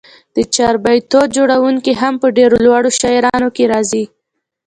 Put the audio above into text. د چاربیتو جوړوونکي هم په ډېرو لوړو شاعرانو کښي راځي.